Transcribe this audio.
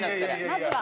まずは。